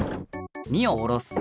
２をおろす。